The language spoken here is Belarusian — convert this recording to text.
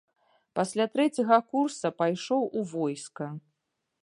Пасля трэцяга курса пайшоў у войска.